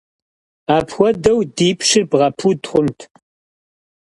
Апхуэдэу ди пщыр бгъэпуд хъунт!